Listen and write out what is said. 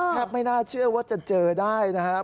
ไม่น่าเชื่อว่าจะเจอได้นะครับ